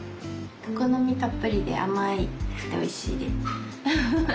クコの実たっぷりで甘くておいしいです。